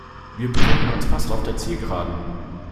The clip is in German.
Wir befinden uns fast auf der Zielgeraden.